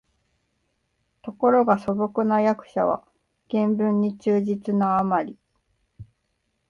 ところが素朴な訳者は原文に忠実なあまり、